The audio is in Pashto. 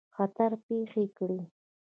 خطر پېښ کړي.